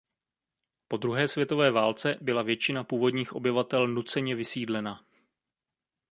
Po druhé světové válce byla většina původních obyvatel nuceně vysídlena.